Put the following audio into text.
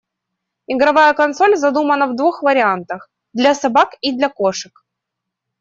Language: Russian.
Игровая консоль задумана в двух вариантах — для собак и для кошек.